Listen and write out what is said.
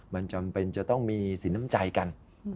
มันจำเป็นจะต้องมีสินน้ำใจกัน